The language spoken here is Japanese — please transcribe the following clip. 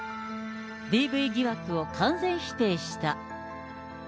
ＤＶ疑惑を完全否定した。